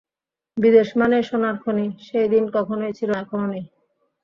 বিদেশ মানেই সোনার খনি, সেই দিন কখনোই ছিল না, এখনো নেই।